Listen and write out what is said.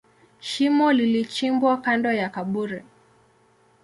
Shimo lilichimbwa kando ya kaburi.